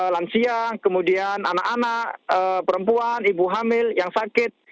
lansia kemudian anak anak perempuan ibu hamil yang sakit